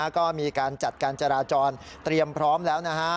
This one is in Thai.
ก็มีการจัดการจราจรเตรียมพร้อมแล้วนะฮะ